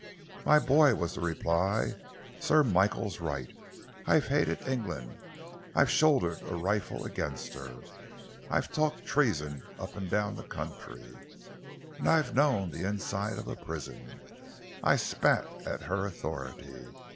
"My boy," was the reply, "sure Michael's right. I've hated England, I've shouldered a rifle against her, I've talked treason up and down the country, and I've known the inside of a prison. I've spat at her authority.